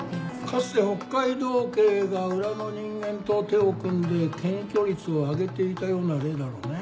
かつて北海道警が裏の人間と手を組んで検挙率を上げていたような例だろうねえ。